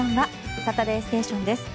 「サタデーステーション」です。